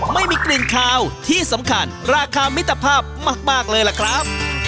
ไม่มีกลิ่นคาวที่สำคัญราคามิตรภาพมากเลยล่ะครับ